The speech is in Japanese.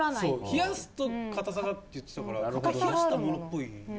「冷やすと硬さが」って言ってたから冷やしたものっぽい。